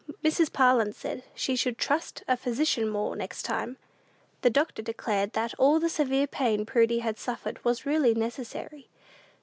Mrs. Parlin said she should trust a physician more next time. The doctor declared that all the severe pain Prudy had suffered was really necessary.